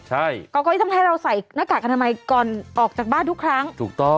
ใช่กรอก้อยทำให้เราใส่หน้ากากอนามัยก่อนออกจากบ้านทุกครั้งถูกต้อง